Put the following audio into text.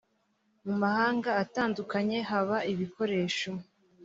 mu mahanga atandukanye haba ibikoresho.